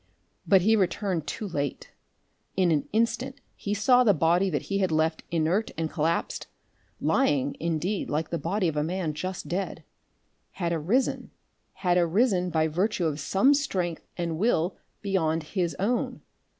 But he returned too late. In an instant he saw the body that he had left inert and collapsed lying, indeed, like the body of a man just dead had arisen, had arisen by virtue of some strength and will beyond his own.